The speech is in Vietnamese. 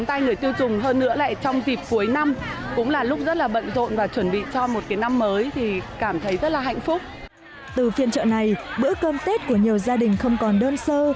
từ phiên chợ này bữa cơm tết của nhiều gia đình không còn đơn sơ